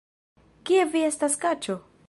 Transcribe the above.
Kie vi estas, kaĉo?